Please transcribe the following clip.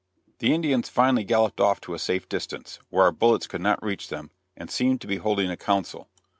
The Indians finally galloped off to a safe distance, where our bullets could not reach them, and seemed to be holding a council.